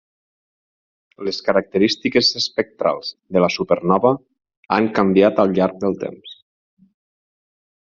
Les característiques espectrals de la supernova han canviat al llarg del temps.